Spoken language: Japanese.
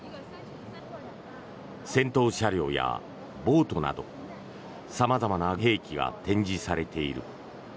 戦闘車両やボートなど様々な兵器が展示されている。